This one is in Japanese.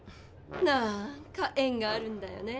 なんか縁があるんだよね。